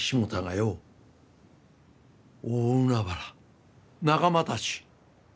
大海原仲間たち！